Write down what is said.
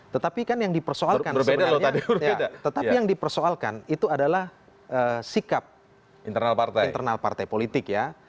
tetapi yang dipersoalkan itu adalah sikap internal partai politik ya